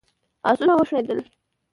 آسونه وشڼېدل.